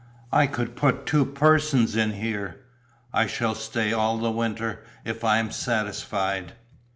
"I could put two persons in here." "I shall stay all the winter, if I am satisfied."